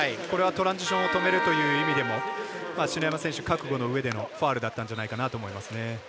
これはトランジションを止めるという意味でも篠山選手、覚悟のうえでのファウルだったんじゃないかなと思います。